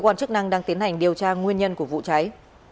cơ quan chức năng đang tiến hành điều tra nguyên nhân của vụ cháy